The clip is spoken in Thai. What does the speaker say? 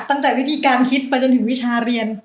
ตั้งแต่วิธีการคิดไปจนถึงวิชาเรียน